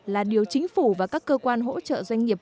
là điều chính phủ và các cơ quan hỗ trợ doanh nghiệp